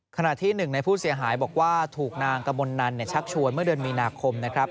ขณะที่๑ในผู้เสียหายบอกว่าถูกนางกระบวนนันเนี่ยชักชวนเมื่อเดือนมีนาคมนะครับ